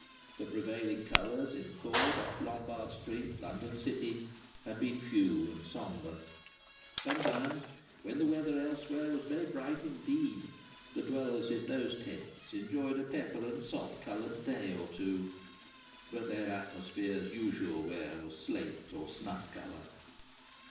The prevailing colours in the court off Lombard street, London city, had been few and sombre. Sometimes, when the weather elsewhere was very bright indeed, the dwellers in those tents enjoyed a pepper and salt coloured day or two, but their atmosphere's usual wear was slate, or snuff colour.